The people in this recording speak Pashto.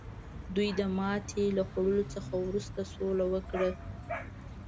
دوی د ماتې له خوړلو څخه وروسته سوله وکړه.